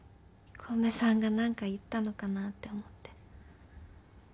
小梅さんが何か言ったのかなって思って。